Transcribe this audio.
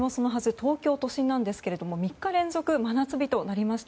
東京都心ですが、３日連続真夏日となりました。